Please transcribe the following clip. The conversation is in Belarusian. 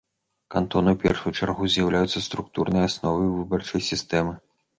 Кантоны ў першую чаргу з'яўляюцца структурнай асновай выбарчай сістэмы.